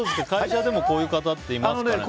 会社でもこういう方いますか？